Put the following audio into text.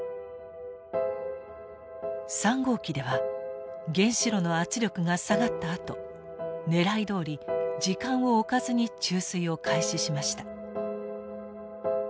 ３号機では原子炉の圧力が下がったあとねらいどおり時間を置かずに注水を開始しました。